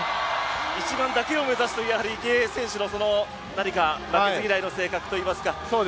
一番だけを目指すというそんな池江選手の負けず嫌いの性格といいますか。